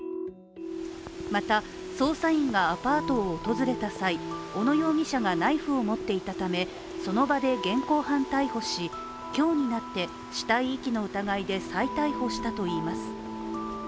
また、捜査員がアパートを訪れた際、小野容疑者がナイフを持っていたためその場で現行犯逮捕し今日になって死体遺棄の疑いで再逮捕したといいます。